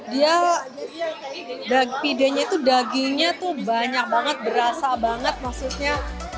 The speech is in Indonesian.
dia pidanya itu dagingnya tuh banyak banget berasa banget maksudnya